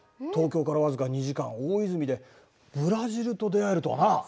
東京から僅か２時間大泉でブラジルと出会えるとはな！